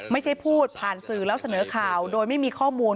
ไม่ใช่พูดผ่านสื่อแล้วเสนอข่าวโดยไม่มีข้อมูล